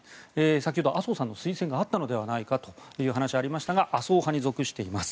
先ほど麻生さんの推薦があったのではという話がありましたが麻生派に属しています。